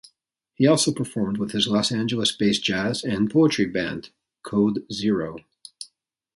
He also performed with his Los Angeles-based jazz and poetry band Code Zero.